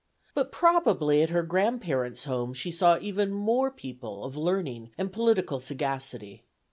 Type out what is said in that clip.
But probably at her grandparents' home she saw even more people of learning and political sagacity.